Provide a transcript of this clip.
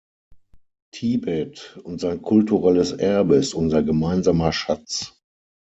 Tibet und sein kulturelles Erbe ist unser gemeinsamer Schatz.